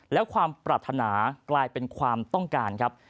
และความปรารถนากลายเป็นความต้องการครับ